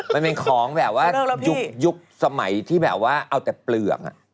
มันเป็นของแบบว่ายุคสมัยที่แบบว่าเอาแต่เปลือก